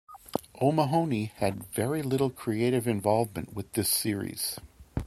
O'Mahony had very little creative involvement with this series.